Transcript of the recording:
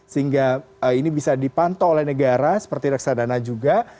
sehingga ini bisa dipantau oleh negara seperti reksadana juga